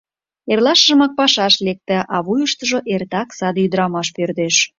Эрлашымак пашаш лекте, а вуйыштыжо эртак саде ӱдырамаш пӧрдеш.